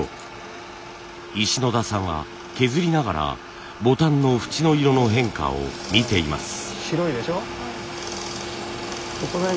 石野田さんは削りながらボタンの縁の色の変化を見ています。